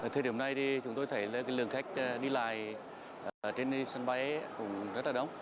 thời điểm này thì chúng tôi thấy lượng khách đi lại trên sân bay cũng rất là đông